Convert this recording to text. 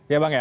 iya bang ya